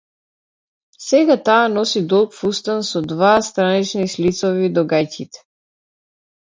Сега таа носи долг фустан со два странични шлицови до гаќите.